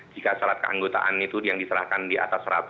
jika syarat keanggotaan itu yang diserahkan di atas seratus